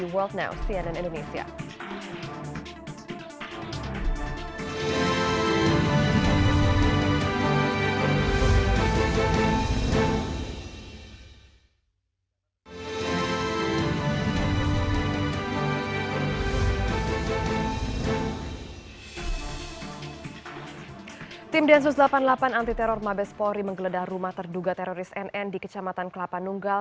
warga london sekarang juga